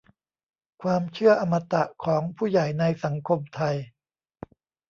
ความเชื่ออมตะของผู้ใหญ่ในสังคมไทย